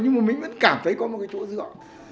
nhưng mà mình vẫn cảm thấy có một cái chỗ dựa